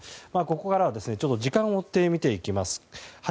ここからは時間を追って見ていきます。